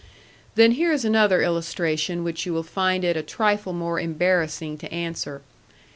Then here is another illustration which you will find it a trifle more embarrassing to answer.